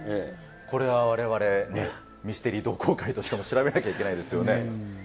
これはわれわれ、ミステリー同好会としても調べなきゃいけないですよね。